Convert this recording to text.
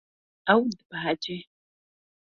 Ew dibehece.